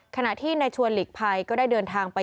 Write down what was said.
ขณะที่ในชวนหลีกภัยก็ได้เดินทางไป